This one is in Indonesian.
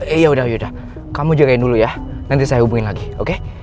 iya udah yaudah kamu jagain dulu ya nanti saya hubungin lagi oke